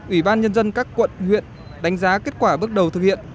ủy ban nhân dân các quận huyện đánh giá kết quả bước đầu thực hiện